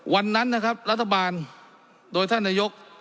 วันนั้นนะครับรัฐบาลโดยท่านนายก